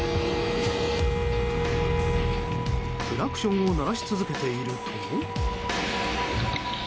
クラクションを鳴らし続けていると。